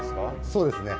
そうですね。